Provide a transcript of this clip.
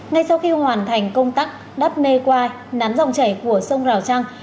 ngay sau khi hoàn thành công tác đắp nê quai nắn dòng chảy của sông rào trăng